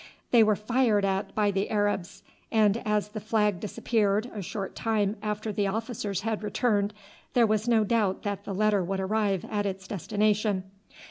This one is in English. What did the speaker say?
They were fired at by the Arabs, and as the flag disappeared a short time after the officers had returned, there was no doubt that the letter would arrive at its destination.